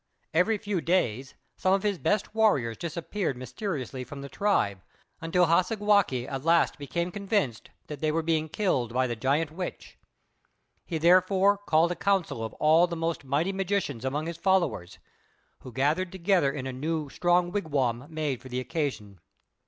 Every few days some of his best warriors disappeared mysteriously from the tribe, until Hassagwākq at last became convinced that they were killed by the Giant Witch. He therefore called a council of all the most mighty magicians among his followers, who gathered together in a new strong wigwam made for the occasion.